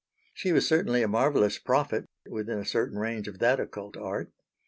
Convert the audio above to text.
She was certainly a marvellous prophet, within a certain range of that occult art.